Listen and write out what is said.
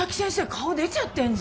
顔出ちゃってんじゃん！